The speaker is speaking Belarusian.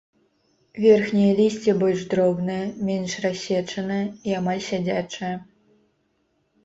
Верхняе лісце больш дробнае, менш рассечанае і амаль сядзячае.